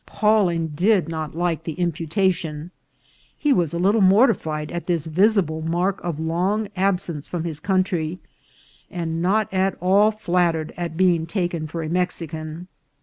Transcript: Paw ling did not like the imputation ; he was a little morti fied at this visible mark of long absence from his coun try, and not at all flattered at being taken for a Mexi can.